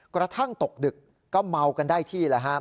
กระทั่งตกดึกก็เมากันได้ที่